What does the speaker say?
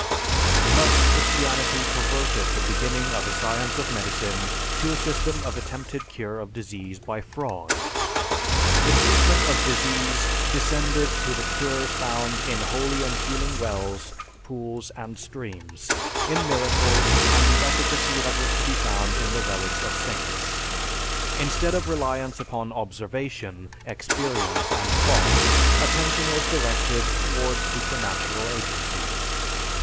Thus Christianity perverted the beginning of a science of medicine to a system of attempted cure of disease by fraud. The treatment of disease descended to the cures found in holy and healing wells, pools, and streams; in miracles and the efficacy that was to be found in the relics of saints. Instead of reliance upon observation, experience, and thought, attention was directed toward supernatural agencies.